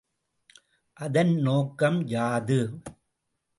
அதன் நோக்கம் யாது?